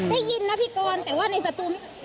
ได้ยินนะพี่กรแต่ว่าในสตู